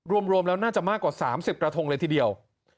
รวมแล้วน่าจะมากกว่า๓๐กระทงเลยทีเดียว